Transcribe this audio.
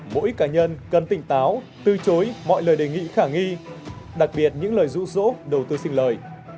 mỗi cá nhân cần tỉnh táo từ chối mọi lời đề nghị khả nghi đặc biệt những lời rũ rỗ đầu tư xin lời